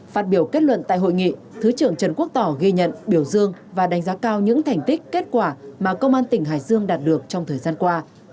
phát biểu kết luận tại hội nghị thứ trưởng trần quốc tỏ ghi nhận biểu dương và đánh giá cao những thành tích kết quả mà công an tỉnh hải dương đạt được trong thời gian qua